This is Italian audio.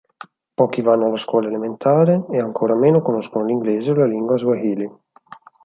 Pochi vanno alla scuola elementare, e ancora meno conoscono l'inglese o la lingua swahili.